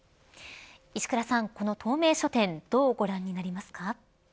石倉さん、この透明書店どうご覧になりますか。